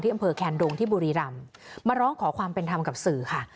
อำเภอแคนดงที่บุรีรำมาร้องขอความเป็นธรรมกับสื่อค่ะ